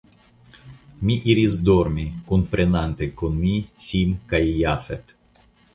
Mi iris dormi, kunprenante kun mi Sim kaj Jafet.